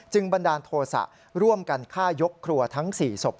บันดาลโทษะร่วมกันฆ่ายกครัวทั้ง๔ศพ